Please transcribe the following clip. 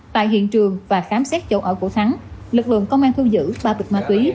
tại hiện trường và khám xét chỗ ở của thắng lực lượng công an thu giữ ba bịch ma túy